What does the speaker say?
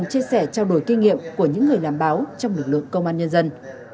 chia sẻ trao đổi kinh nghiệm của những người làm báo trong lực lượng công an nhân dân